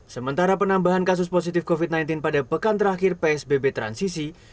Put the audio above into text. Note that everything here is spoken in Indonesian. sementara penambahan kasus positif covid sembilan belas pada pekan terakhir psbb transisi